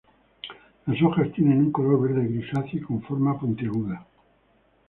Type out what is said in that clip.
Las hojas tienen un color verde-grisáceo y con forma puntiaguda.